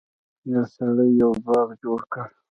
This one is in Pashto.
یو سړي یو باغ جوړ کړ.